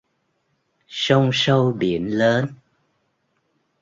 Sông sâu biển lớn